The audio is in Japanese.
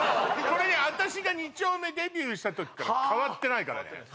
これね私が２丁目デビューした時から変わってないからね